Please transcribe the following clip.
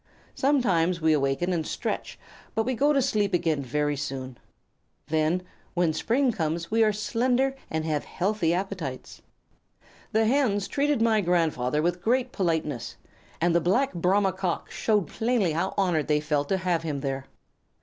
Sometimes we awaken and stretch, but we go to sleep again very soon. Then, when spring comes we are slender and have healthy appetites. "The Hens treated my grandfather with great politeness, and the Black Brahma Cock showed plainly how honored they felt to have him there.